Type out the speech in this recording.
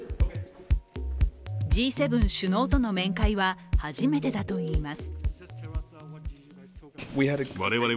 Ｇ７首脳との面会は初めてだといいます。